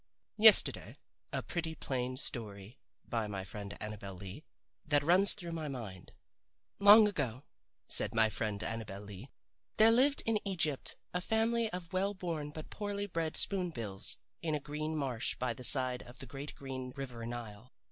Yesterday a pretty, plain story by my friend Annabel Lee that runs through my mind. "Long ago," said my friend Annabel Lee, "there lived in Egypt a family of well born but poorly bred Spoon bills in a green marsh by the side of the great green river Nile.